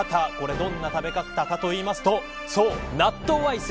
どんな食べ方かというと納豆アイス。